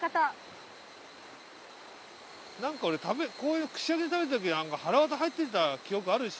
なんか俺こういう串焼きで食べた時なんかはらわた入ってた記憶あるし。